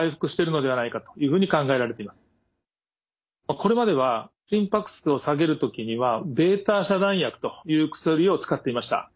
これまでは心拍数を下げる時にはβ遮断薬という薬を使っていました。